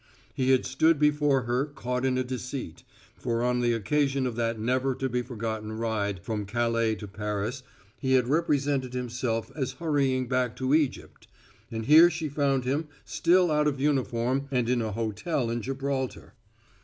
He had stood before her caught in a deceit, for on the occasion of that never to be forgotten ride from Calais to Paris he had represented himself as hurrying back to Egypt, and here she found him still out of uniform and in a hotel in Gibraltar.